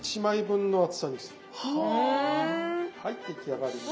はい出来上がり！